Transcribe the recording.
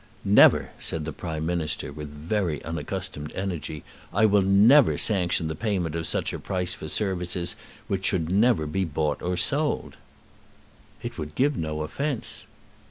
"Never," said the Prime Minister, with very unaccustomed energy. "I will never sanction the payment of such a price for services which should never be bought or sold." "It would give no offence."